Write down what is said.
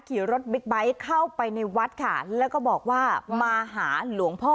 ขี่รถบิ๊กไบท์เข้าไปในวัดค่ะแล้วก็บอกว่ามาหาหลวงพ่อ